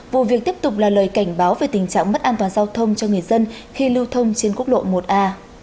vụ việc tiếp tục là lời cảnh báo về tình trạng mất an toàn giao thông cho người dân khi lưu thông trên quốc lộ một a